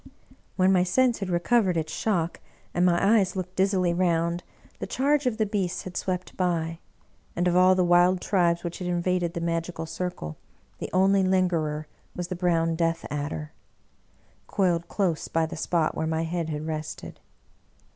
When my sense had recovered its shock, and my eyes looked dizzily round, the charge of the beasts had swept by ; and of all the wild tribes which had invaded the magi cal circle, the only lingerer was the brown Death adder, coiled close by the spot where my head had rested.